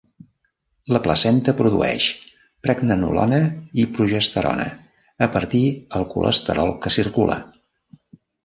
La placenta produeix pregnenolona i progesterona a partir el colesterol que circula.